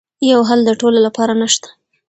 یو حل د ټولو لپاره نه شته.